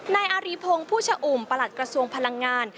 นายอารีพงศ์ผู้ชะอุ่มประหลัดกระทรวงพลังงาน